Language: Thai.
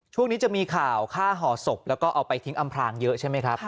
ช่วงนี้จะมีข่าวฆ่าห่อศพแล้วก็เอาไปทิ้งอำพลางเยอะใช่ไหมครับ